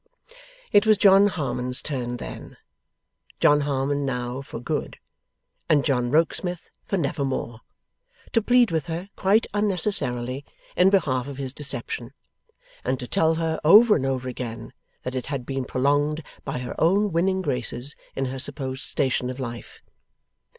It was John Harmon's turn then John Harmon now for good, and John Rokesmith for nevermore to plead with her (quite unnecessarily) in behalf of his deception, and to tell her, over and over again, that it had been prolonged by her own winning graces in her supposed station of life.